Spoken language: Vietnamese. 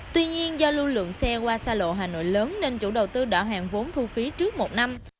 tuy nhiên do lưu lượng xe qua xa lộ hà nội lớn nên chủ đầu tư đo hàng vốn thu phí trước một năm